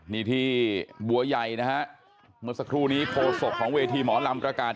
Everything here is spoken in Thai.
นี่ที่บัวใหญ่นะฮะเมื่อสักครู่นี้โคศกของเวทีหมอลำประกาศ